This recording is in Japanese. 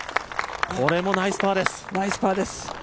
これもナイスパーです。